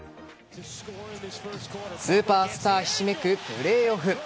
スーパースターひしめくプレーオフ。